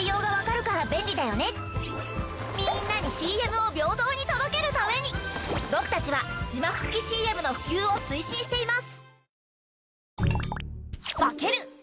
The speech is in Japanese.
みんなにＣＭを平等に届けるために僕たちは字幕付きＣＭの普及を推進しています。